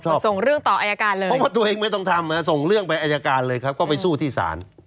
ส่งเรื่องต่ออายการเลยเพราะว่าตัวเองไม่ต้องทำส่งเรื่องไปอายการเลยครับก็ไปสู้ที่ศาล